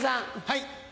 はい。